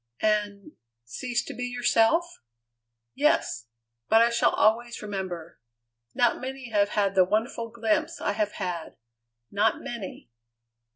"And cease to be yourself?" "Yes. But I shall always remember. Not many have had the wonderful glimpse I have had not many."